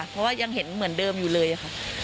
เพราะว่ายังเห็นเหมือนเดิมอยู่เลยค่ะ